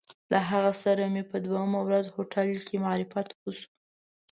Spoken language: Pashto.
له هغه سره مې په دویمه ورځ هوټل کې معرفت وشو.